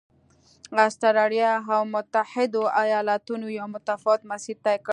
اسټرالیا او متحدو ایالتونو یو متفاوت مسیر طی کړ.